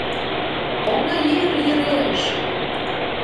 — Поҥго йӱр йӱреш!